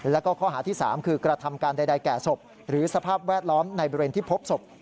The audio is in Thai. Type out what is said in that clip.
แล้วก็ข้อหาที่๓คือกระทำการใดแก่ศพหรือสภาพแวดล้อมในบริเวณที่พบศพ